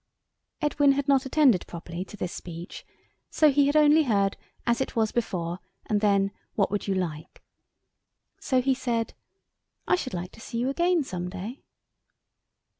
Edwin had not attended properly to this speech, so he had only heard "as it was before" and then "What would you like?" So he said, "I should like to see you again some day."